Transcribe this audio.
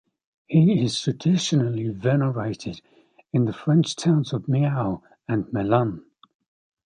He is traditionally venerated in the French towns of Meaux and Melun.